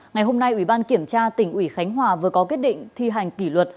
ngày hôm nay ủy ban kiểm tra tỉnh ủy khánh hòa vừa có quyết định thi hành kỷ luật